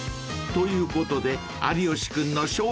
ということで］